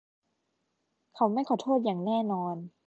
เขาไม่ขอโทษอย่างแน่นอน